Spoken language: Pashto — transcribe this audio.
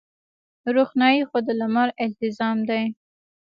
روښنايي خو د لمر التزام دی.